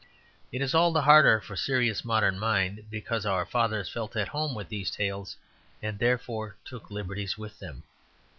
It is all the harder for the serious modern mind because our fathers felt at home with these tales, and therefore took liberties with them.